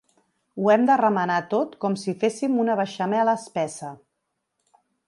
Ho hem de remenar tot com si féssim una beixamel espessa.